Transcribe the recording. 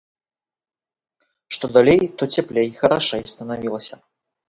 Што далей, то цяплей, харашэй станавілася.